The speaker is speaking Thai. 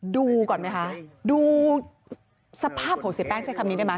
ดูก่อนไหมคะดูสภาพของเสียแป้งใช้คำนี้ได้ไหม